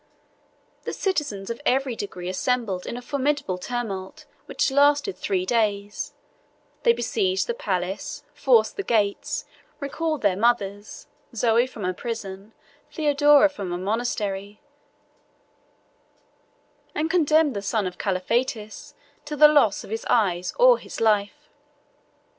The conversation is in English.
The citizens of every degree assembled in a formidable tumult which lasted three days; they besieged the palace, forced the gates, recalled their mothers, Zoe from her prison, Theodora from her monastery, and condemned the son of Calaphates to the loss of his eyes or of his life.